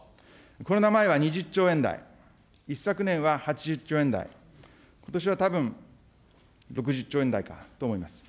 コロナ前は２０兆円台、一昨年は８０兆円台、ことしはたぶん、６０兆円台かと思います。